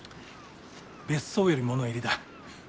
別荘より物入りだ。